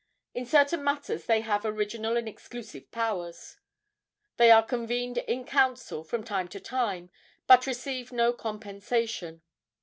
In certain matters they have original and exclusive powers. They are convened in council from time to time, but receive no compensation.